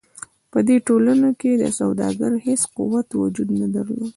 په دې ټولنو کې د سوداګرو هېڅ قوت وجود نه درلود.